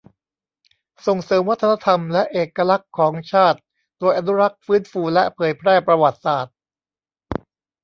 ส่งเสริมวัฒนธรรมและเอกลักษณ์ของชาติ โดยอนุรักษ์ ฟื้นฟู และเผยแพร่ประวัติศาสตร์